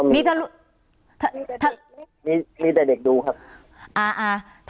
มีแต่เด็กดูครับ